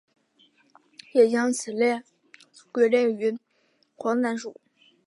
也将此类归类于岩黄蓍属。